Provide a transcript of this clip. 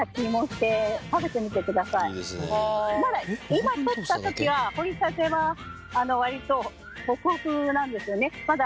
今とった時は掘りたては割とホクホクなんですよね。